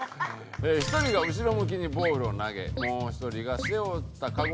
１人が後ろ向きにボールを投げもう１人が背負った籠でキャッチ。